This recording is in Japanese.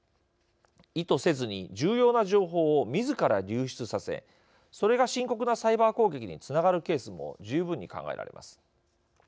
意図せずに、重要な情報をみずから流出させ、それが深刻なサイバー攻撃につながるケースも十分に考えられます。